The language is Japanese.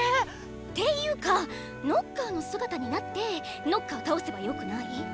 ていうかノッカーの姿になってノッカー倒せばよくない？